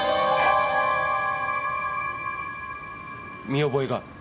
見覚えが？